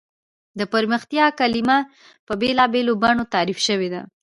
د پرمختیا کلیمه په بېلا بېلو بڼو تعریف شوې ده.